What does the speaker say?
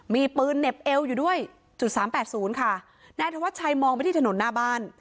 มีปืนเหน็บเอวอยู่ด้วยจุดสามแปดศูนย์ค่ะนายธวัชชัยมองไปที่ถนนหน้าบ้าน